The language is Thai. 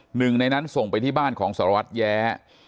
หนึ่งในนั้นส่งไปที่บ้านของสารวัตรแย้